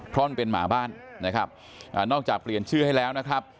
เพราะมันเป็นหมาบ้านนะครับนอกจากเปลี่ยนชื่อให้แล้วนะครับ